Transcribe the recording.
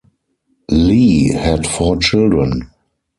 Li had four children.